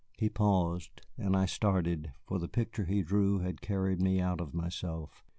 He paused, and I started, for the picture he drew had carried me out of myself.